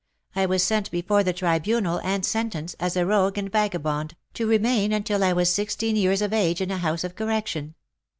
I was sent before the Tribunal, and sentenced, as a rogue and vagabond, to remain until I was sixteen years of age in a house of correction.